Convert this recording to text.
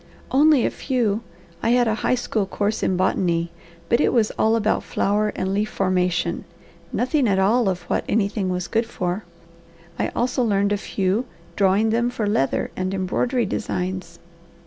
"Only a few! I had a high school course in botany, but it was all about flower and leaf formation, nothing at all of what anything was good for. I also learned a few, drawing them for leather and embroidery designs."